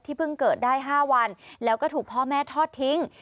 เพิ่งเกิดได้๕วันแล้วก็ถูกพ่อแม่ทอดทิ้ง